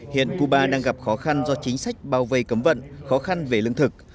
hiện cuba đang gặp khó khăn do chính sách bao vây cấm vận khó khăn về lương thực